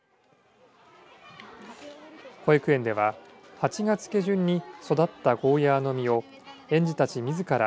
保育園では８月下旬に育ったゴーヤーの実を園児たち、みずから